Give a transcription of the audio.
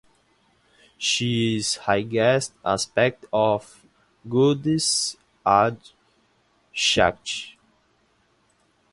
She is the highest aspect of Goddess Adi Shakti.